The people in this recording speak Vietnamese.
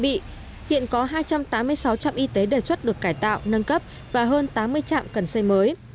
bị hiện có hai trăm tám mươi sáu trạm y tế đề xuất được cải tạo nâng cấp và hơn tám mươi trạm cần xây mới